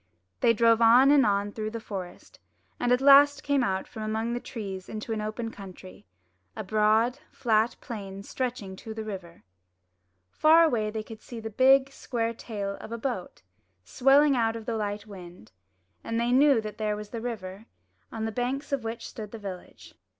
They drove on and on through the forest, and at last came out from among the trees into the open country, a broad, flat plain stretching to the river. 224 UP ONE PAIR OF STAIRS Far away they could see the big, square sail of a boat, swelled out in the light wind, and they knew that there was the river, on the banks of which stood the village.